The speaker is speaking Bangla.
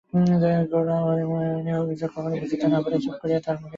গোরা হরিমোহিনীর অভিযোগ কিছুই বুঝিতে না পারিয়া চুপ করিয়া তাঁহার মুখের দিকে চাহিয়া রহিল।